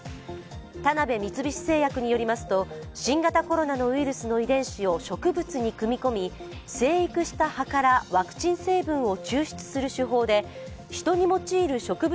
田辺三菱製薬によりますと、新型コロナのウイルスの遺伝子を植物に組み込み、生育した葉からワクチン成分を抽出する手法で人に用いる植物